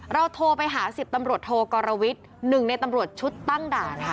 เราโทรไปหา๑๐ตำรวจโทรกรววิทย์๑ในตำรวจชุดตั้งด่าน